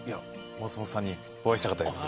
松本さんにお会いしたかったんです。